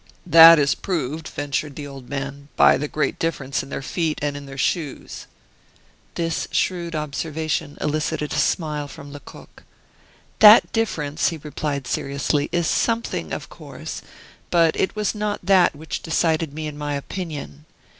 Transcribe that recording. "That is proved," ventured the old man, "by the great difference in their feet and in their shoes." This shrewd observation elicited a smile from Lecoq. "That difference," he replied, seriously, "is something, of course; but it was not that which decided me in my opinion.